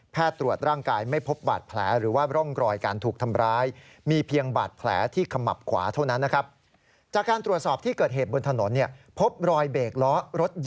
พบรอยเบกล้อรถยาวกว่า๕๐เมตร